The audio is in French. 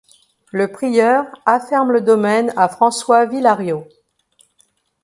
Le prieur afferme le domaine à François Villariaud.